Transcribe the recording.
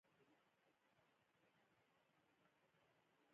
افغانستان د هندوکش له پلوه له نورو هېوادونو سره اړیکې لري.